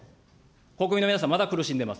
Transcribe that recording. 国民の皆さん、まだ苦しんでます。